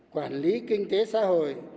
quản lý kinh tế xã hội